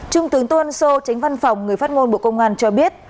trung tướng tôn sô tránh văn phòng người phát ngôn bộ công an cho biết